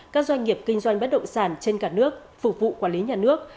các doanh nghiệp kinh doanh bất động sản trên cả nước phục vụ quản lý nhà nước